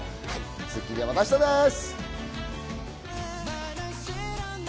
『スッキリ』はまた明日です。